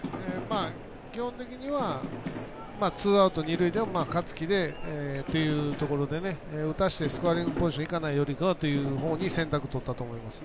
基本的にはツーアウト、二塁で香月でというところで打たせてスコアリングポジションいかないよりかはという選択、とったと思います。